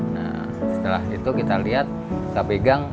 nah setelah itu kita lihat kita pegang